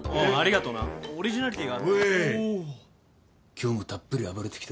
今日もたっぷり暴れてきたか？